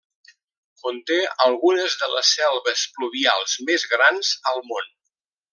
Conté algunes de les selves pluvials més grans al món.